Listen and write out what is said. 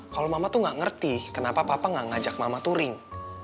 kalau mama tuh gak ngerti kenapa papa nggak ngajak mama touring